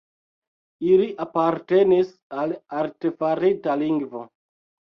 Ili apartenis al artefarita lingvo.